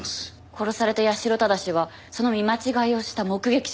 殺された八代正はその見間違いをした目撃者？